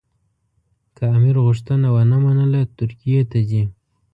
که امیر غوښتنه ونه منله ترکیې ته ځي.